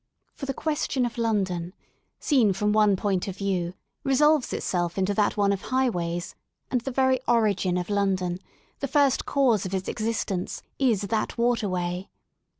For the question " of London, seen from one point of view, resolves itself into that one of highways; and the very origin of London, the first cause of its exist ence, is that waterway.